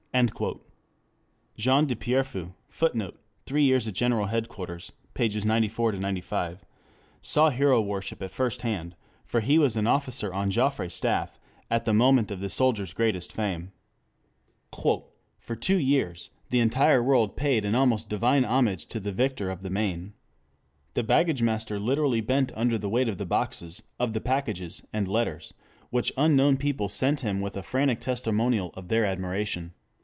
M. Jean de Pierrefeu [Footnote: Jean de Pierrefeu, G. Q. G. Trois ans au Grand Quartier General, pp 94 95.] saw hero worship at first hand, for he was an officer on Joffre's staff at the moment of that soldier's greatest fame: "For two years, the entire world paid an almost divine homage to the victor of the Marne. The baggage master literally bent under the weight of the boxes, of the packages and letters which unknown people sent him with a frantic testimonial of their admiration.